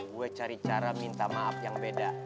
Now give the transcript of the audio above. gue cari cara minta maaf yang beda